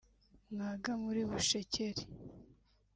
Mwaga muri Bushekeri